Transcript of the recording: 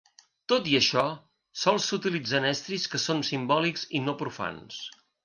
Tot i això, sols s'utilitzen estris que són simbòlics i no profans.